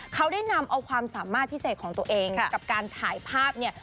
เขาได้นำเอาความสามารถพิเศษของตัวเองกับการถ่ายภาพเนี่ย